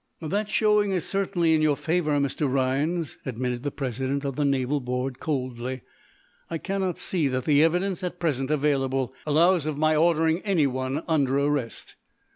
"That showing is certainly in your favor, Mr. Rhinds," admitted the president of the naval board, coldly. "I cannot see that the evidence at present available allows of my ordering anyone under arrest.